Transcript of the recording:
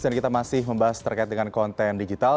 dan kita masih membahas terkait dengan konten digital